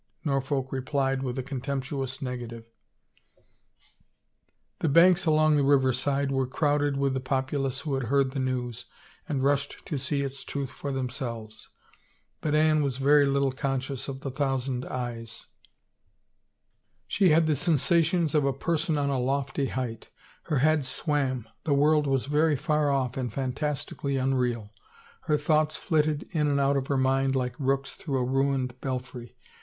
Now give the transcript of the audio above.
Norfolk replied with a contemptuous negative. The banks along the riverside were crowded with the populace who had heard the news and rushed to see its truth for themselves, but Anne was very little conscious of the thousand eyes; she had the sensations of a pe» 326 A BLOW IN THE DARK son on a lofty height ; her head swam, the world was very far off and fantastically unreal. Her thoughts flitted in and out of her mind like rooks through a ruined bel fry.